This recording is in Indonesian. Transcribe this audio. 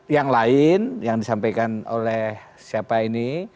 yang lain yang disampaikan oleh siapa ini